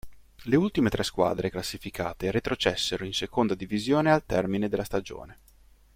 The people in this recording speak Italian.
Le ultime tre squadre classificate retrocessero in seconda divisione al termine della stagione.